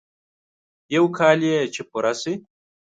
يو کال يې چې پوره شي.